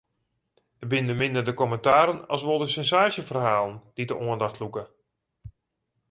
It binne minder de kommentaren as wol de sensaasjeferhalen dy't de oandacht lûke.